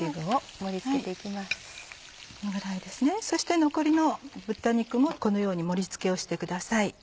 そして残りの豚肉もこのように盛り付けをしてください。